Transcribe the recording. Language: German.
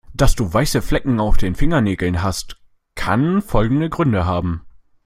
Dass du weiße Flecken auf den Fingernägeln hast, kann folgende Gründe haben.